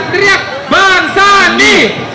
teriak bang sandi